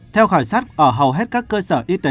theo khảo sát ở hầu hết các cơ sở